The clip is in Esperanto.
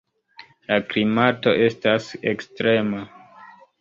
La klimato estas ekstrema.